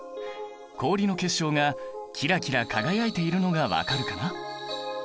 氷の結晶がキラキラ輝いているのが分かるかな？